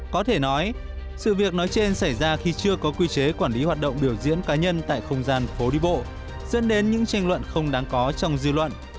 có thể nói sự việc nói trên xảy ra khi chưa có quy chế quản lý hoạt động biểu diễn cá nhân tại không gian phố đi bộ dẫn đến những tranh luận không đáng có trong dư luận